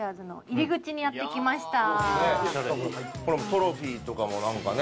トロフィーとかも何かね。